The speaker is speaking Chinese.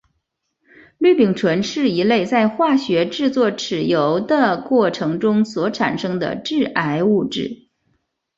氯丙醇是一类在化学制作豉油的过程中所产生的致癌物质。